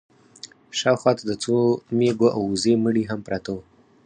شا و خوا ته د څو مېږو او وزو مړي هم پراته وو.